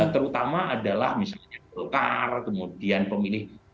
terutama adalah misalnya golkar kemudian pemilih